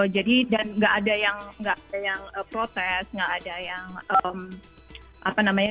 jadi dan gak ada yang protes gak ada yang apa namanya